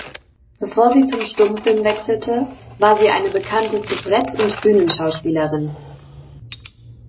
Bevor sie zum Stummfilm wechselte, war sie eine bekannte Soubrette und Bühnenschauspielerin.